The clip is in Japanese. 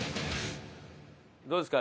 どうですか？